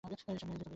এসব কী, ভিকি?